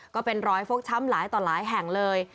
ก็เป็นรอยฟกช้ำหลายต่อหลายแห่งเลย